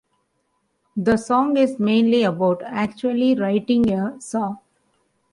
The song is mainly about actually writing a song.